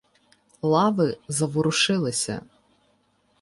Лави заворушилися.